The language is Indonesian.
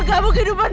aku punya kekecewaan